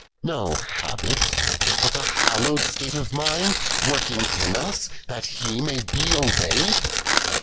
No habit, bnt a hallowed state of mind W\'rkiEj ia us, that He may be obey'd